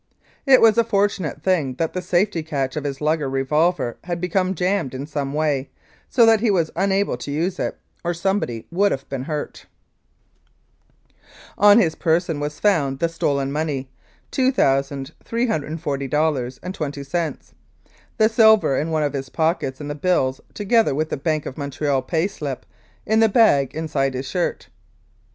It was a fortunate thing that the safety catch of his Luger revolver had become jammed in some way, so that he was unable to use it, or somebody would have been hurt. On his person was found the stolen money, $2,340.20 the silver in one of his pockets and the bills, together with the Bank of Montreal pay slip, in the bag inside his shirt.